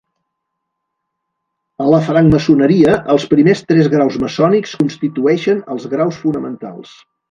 A la francmaçoneria, els primers tres graus maçònics constitueixen els graus fonamentals.